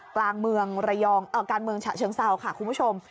กลางเมืองระยองการเมืองฉะเชิงเซาค่ะคุณผู้ชม